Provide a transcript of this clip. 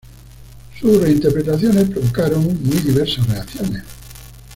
Sus reinterpretaciones provocaron muy diversas reacciones.